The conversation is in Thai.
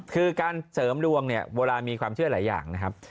คือการเสริมดวงเนี่ยเวลามีความเชื่อหลายอย่างนะครับ